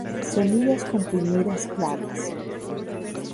Semillas comprimidas planas.